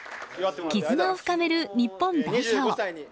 絆を深める日本代表。